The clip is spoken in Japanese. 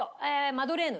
マドレーヌ！